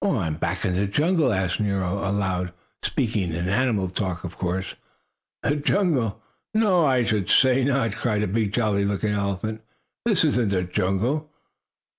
"Oh, am I back in the jungle?" asked Nero aloud, speaking in animal talk. "The jungle? No, I should say not!" cried a big jolly looking elephant. "This isn't the jungle."